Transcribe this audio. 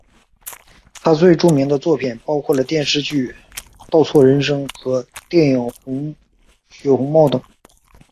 他最著名的作品包括了电视剧倒错人生和电影血红帽等。